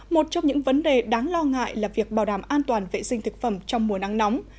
một trong những vấn đề đáng lo ngại là việc bảo đảm an toàn vệ sinh thực phẩm trong mùa nắng nóng